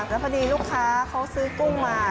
แล้วพอดีลูกค้าเขาซื้อกุ้งมา